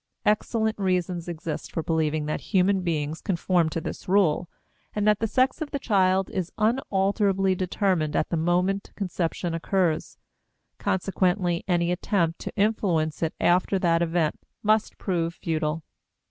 Excellent reasons exist for believing that human beings conform to this rule, and that the sex of the child is unalterably determined at the moment conception occurs. Consequently, any attempt to influence it after that event must prove futile.